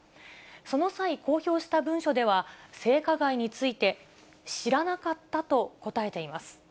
その際、公表した文書では、性加害について、知らなかったと答えています。